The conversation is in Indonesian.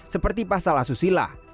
seperti pasal asusila